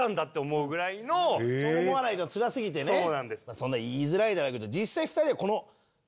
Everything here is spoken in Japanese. そんな言いづらいだろうけど。